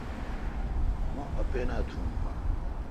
مو اپینا تھون۔